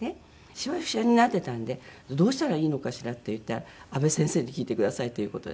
しわしわになってたんで「どうしたらいいのかしら？」って言ったら「阿部先生に聞いてください」っていう事で。